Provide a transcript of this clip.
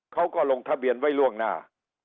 เขาก็ลงทะเบียนไว้ล่วงหน้า